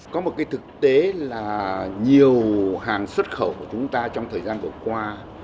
có một cái thực tế là nhiều hàng xuất khẩu của chúng ta trong thời gian vừa qua